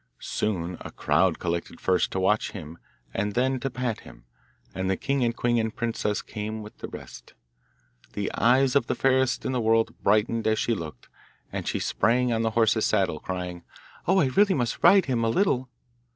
Soon a crowd collected first to watch him and then to pat him, and the king and queen and princess came with the rest. The eyes of the fairest in the world brightened as she looked, and she sprang on the horse's saddle, crying, 'Oh, I really must ride him a little!